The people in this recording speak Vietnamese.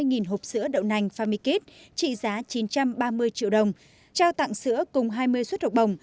hai trăm tám mươi hộp sữa đậu nành famikit trị giá chín trăm ba mươi triệu đồng trao tặng sữa cùng hai mươi suất hộp bồng